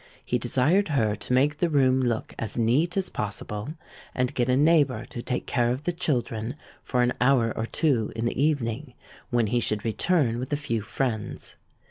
He desired her to make the room look as neat as possible, and get a neighbour to take care of the children for an hour or two in the evening, when he should return with a few friends.